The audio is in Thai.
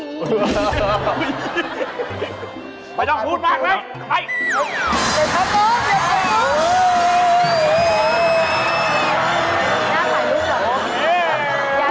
ไม่ต้องพูดมากเลยไป